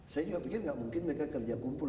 saya juga pikir nggak mungkin mereka kerja kumpul